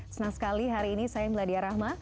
senang sekali hari ini saya meladia rahma